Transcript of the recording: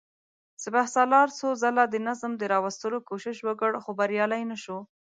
سپهسالار څو ځله د نظم د راوستلو کوشش وکړ، خو بريالی نه شو.